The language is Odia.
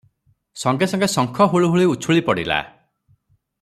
ସଙ୍ଗେ ସଙ୍ଗେ ଶଙ୍ଖ ହୁଳହୁଳି ଉଛୁଳି ପଡ଼ିଲା ।